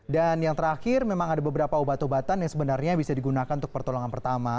dan yang terakhir memang ada beberapa obat obatan yang sebenarnya bisa digunakan untuk pertolongan pertama